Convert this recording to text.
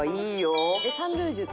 サンルージュ。